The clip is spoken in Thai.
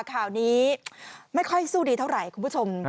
ข่าวนี้ไม่ค่อยสู้ดีเท่าไหร่คุณผู้ชม